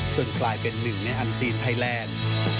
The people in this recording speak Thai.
กลายเป็นหนึ่งในอันซีนไทยแลนด์